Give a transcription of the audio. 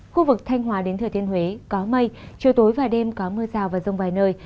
khu vực thanh hòa đến thừa thiên huế có mây chiều tối và đêm có mưa rào và rông vài nơi